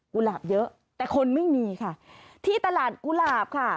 หลาบเยอะแต่คนไม่มีค่ะที่ตลาดกุหลาบค่ะ